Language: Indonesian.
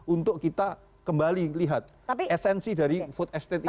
untuk kita kembali lihat esensi dari food estate ini